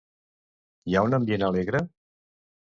Hi ha un ambient alegre?